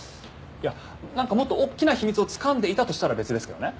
いやなんかもっと大きな秘密をつかんでいたとしたら別ですけどね。